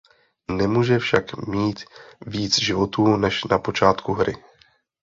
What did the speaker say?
Nemůže však mít víc životů než na počátku hry.